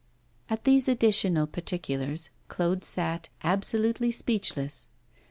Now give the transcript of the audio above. At these additional particulars, Claude sat absolutely speechless.